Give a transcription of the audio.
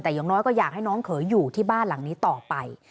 แต่อย่างน้อยก็อยากให้น้องเขยอยู่ที่บ้านหลังนี้ต่อไป